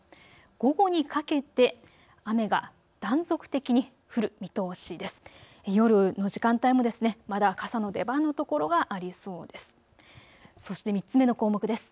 午後にかけて、雨が断続的に降る見通しです。